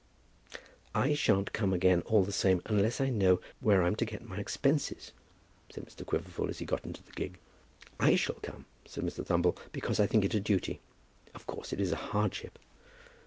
"I shan't come again, all the same, unless I know where I'm to get my expenses," said Mr. Quiverful, as he got into the gig. "I shall come," said Mr. Thumble, "because I think it a duty. Of course it is a hardship."